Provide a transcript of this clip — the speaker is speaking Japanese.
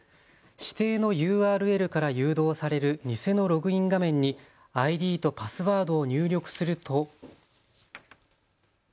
指定のＵＲＬから誘導される偽のログイン画面にＩＤとパスワードを入力すると。